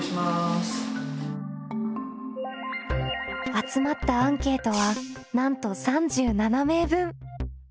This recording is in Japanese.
集まったアンケートはなんと３７名分！